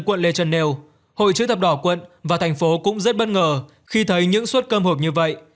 quận lê trân đều hội chữ thập đỏ quận và thành phố cũng rất bất ngờ khi thấy những suất cơm hộp như vậy